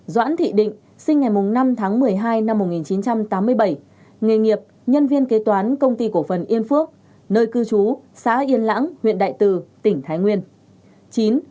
doãn thị định sinh ngày năm tháng một mươi hai năm một nghìn chín trăm tám mươi bảy nghề nghiệp nhân viên kế toán công ty cổ phần yên phước nơi cư trú xã yên lãng huyện đại từ tỉnh thái nguyên